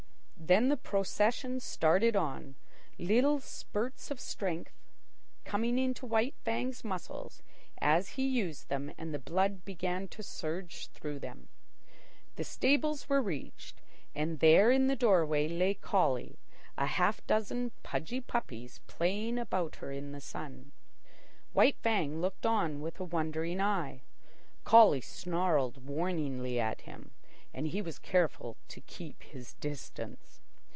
Then the procession started on, little spurts of strength coming into White Fang's muscles as he used them and the blood began to surge through them. The stables were reached, and there in the doorway, lay Collie, a half dozen pudgy puppies playing about her in the sun. White Fang looked on with a wondering eye. Collie snarled warningly at him, and he was careful to keep his distance.